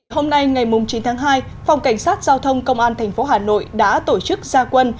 hôm nay ngày chín tháng hai phòng cảnh sát giao thông công an tp hà nội đã tổ chức gia quân